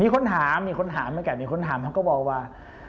มีคนถามมีคนถามแม้กัดมีคนถามเขาก็บอกว่า